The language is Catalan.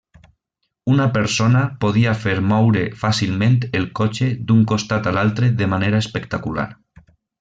Una persona podia fer moure fàcilment el cotxe d'un costat a l'altre de manera espectacular.